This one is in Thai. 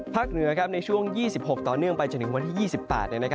เหนือในช่วง๒๖ต่อเนื่องไปจนถึงวันที่๒๘